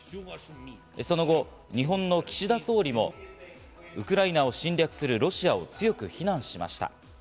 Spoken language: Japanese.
その後、日本の岸田総理もウクライナを侵略するロシアを強く非難しました。